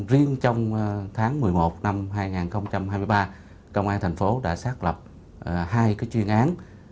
riêng trong tháng một mươi một năm hai nghìn hai mươi ba công an thành phố đã xác lập hai chuyên án